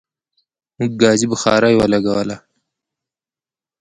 موږ ګازی بخاری ولګوله